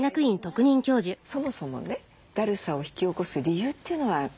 そもそもねだるさを引き起こす理由というのは何なんでしょう？